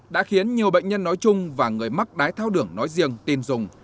đã khiến nhiều bệnh nhân nói chung và người mắc đái thao đường nói riêng tin dùng